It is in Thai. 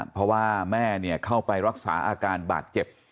เพราะว่าแม่เข้าไปรักษาอาการบาดเจ็บ